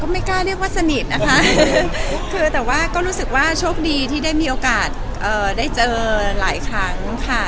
ไม่กล้าเรียกว่าสนิทนะคะคือแต่ว่าก็รู้สึกว่าโชคดีที่ได้มีโอกาสได้เจอหลายครั้งค่ะ